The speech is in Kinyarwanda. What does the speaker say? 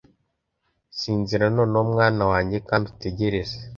sinzira noneho mwana wanjye, kandi utegereze